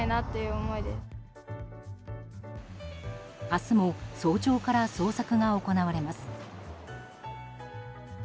明日も早朝から捜索が行われます。